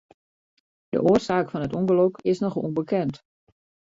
De oarsaak fan it ûngelok is noch ûnbekend.